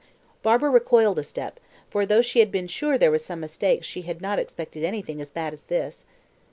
Barbara recoiled a step, for though she had been sure there was some mistake she had not expected anything as bad as this.